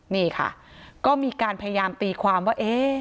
นี่ค่ะก็มีการพยายามตีความว่า